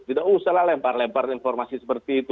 tidak usah lah lempar lempar informasi seperti itu